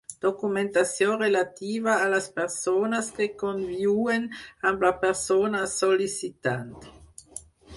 Documentació relativa a les persones que conviuen amb la persona sol·licitant.